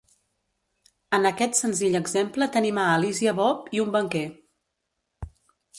En aquest senzill exemple tenim a Alice i a Bob i un banquer.